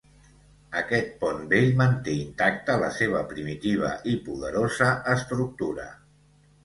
Aquest pont vell manté intacta la seva primitiva i poderosa estructura.